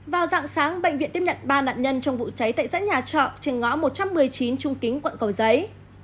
vào dạng sáng bệnh viện tiếp nhận ba nạn nhân trong vụ cháy tại dãy nhà trọ trên ngõ một trăm một mươi chín trung kính quận cầu giấy